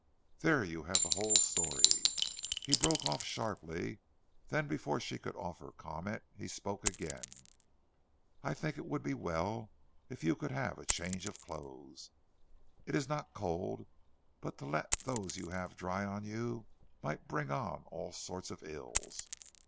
There you have the whole story." He broke off sharply, then before she could offer comment he spoke again: "I think it would be as well if you could have a change of clothes. It is not cold, but to let those you have dry on you might bring on all sorts of ills.